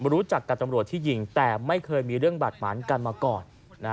รู้จักกับตำรวจที่ยิงแต่ไม่เคยมีเรื่องบาดหมานกันมาก่อน